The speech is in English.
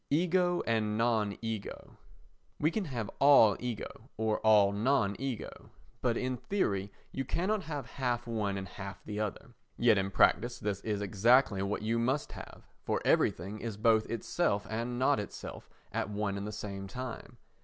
Ego and Non Ego You can have all ego, or all non ego, but in theory you cannot have half one and half the other—yet in practice this is exactly what you must have, for everything is both itself and not itself at one and the same time.